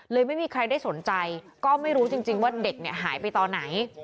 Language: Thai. เลยไม่มีใครได้สนใจก็ไม่รู้จริงว่าเด็กหายไปต่อไหน